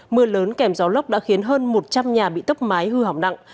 mưa lớn kèm gió lốc đã khiến hơn một trăm linh nhà bị tốc mái hư hỏng nặng